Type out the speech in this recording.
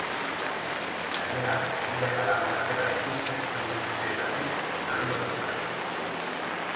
Gainera, milaka lagun atera dituzte euren etxeetatik konderri horietan.